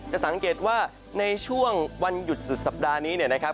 จะสังเกตว่าในช่วงวันหยุดสุดสัปดาห์นี้เนี่ยนะครับ